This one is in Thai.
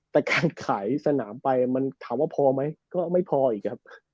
แต่การขายสนามไปมันถามว่าพอไหมก็ไม่พออีกครับ